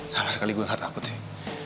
sama sekali gue gak takut sih